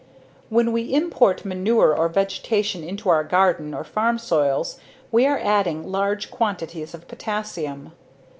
When we import manure or vegetation into our garden or farm soils we are adding large quantities of potassium.